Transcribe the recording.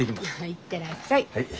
行ってらっしゃい。